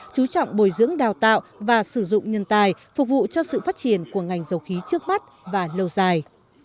chú trọng bồi dưỡng đào tạo và sử dụng nhân tài phục vụ cho sự phát triển của ngành dầu khí trước mắt và lâu dài